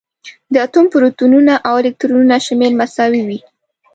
د اتوم پروتونونه او الکترونونه شمېر مساوي وي.